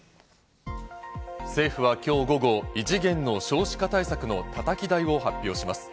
政府は今日午後、異次元の少子化対策のたたき台を発表します。